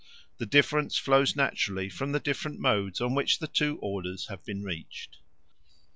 The difference flows naturally from the different modes in which the two orders have been reached.